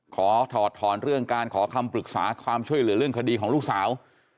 ขอถอดถอนเรื่องการขอคำปรึกษาความช่วยเหลือเรื่องคดีของลูกสาว